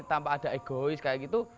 tanpa ada egois kayak gitu